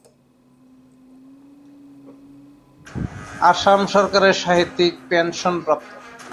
আসাম সরকারের সাহিত্যিক পেন্সনপ্রাপ্ত।